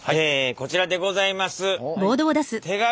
こちらでございます。